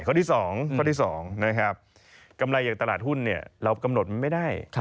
ข้อที่๒กำไรอย่างตลาดหุ้นเรากำหนดไม่ได้